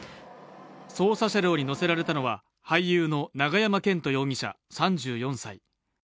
捜査車両に乗せられたのは、俳優の永山絢斗容疑者３４歳。